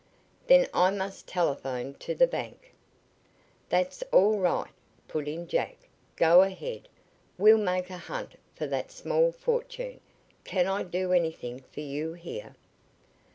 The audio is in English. Then I must telephone to the bank." "That's all right," put in Jack. "Go ahead. We'll make a hunt for that small fortune. Can I do anything for you here?"